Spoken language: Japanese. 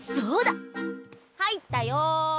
入ったよ。